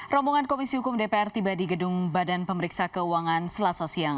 rombongan komisi hukum dpr tiba di gedung badan pemeriksa keuangan selasa siang